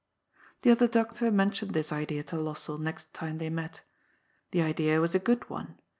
The other doctor mentioned this idea to Lossell next time they met. The idea was a good one.